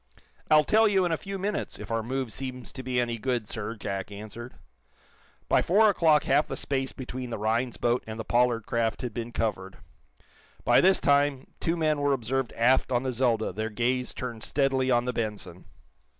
"I'll tell you, in a few minutes, if our move seems to be any good, sir," Jack answered. By four o'clock half the space between the Rhinds boat and the Pollard craft had been covered. By this time two men were observed aft on the "Zelda," their gaze turned steadily on the "Benson."